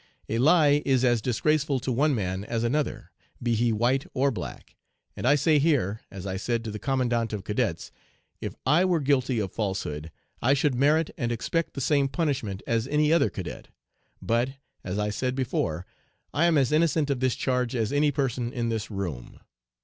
A lie is as disgraceful to one man as another, be he white or black, and I say here, as I said to the Commandant of Cadets, "If I were guilty of falsehood, I should merit and expect the same punishment as any other cadet;" but, as I said before, I am as innocent of this charge as any person in this room.